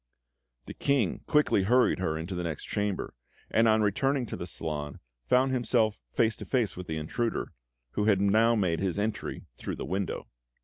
The King quickly hurried her into the next chamber, and on returning to the salon, found himself face to face with the intruder, who had now made his entry through the window.